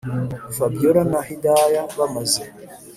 fabiora na hidaya bamaze